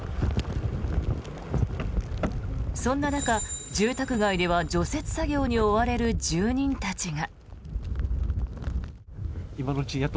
そんな中、住宅街では除雪作業に追われる住人たちが。